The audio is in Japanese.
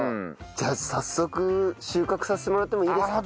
じゃあ早速収穫させてもらってもいいですか？